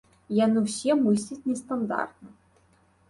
Яны ўсе мысляць нестандартна.